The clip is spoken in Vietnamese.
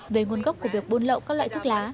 về nguồn gốc của việc buôn lậu các loại thuốc lá